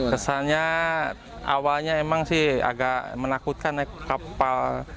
kesannya awalnya emang sih agak menakutkan naik kapal